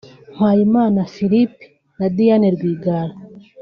Mpayimana Philippe na Diane Rwigara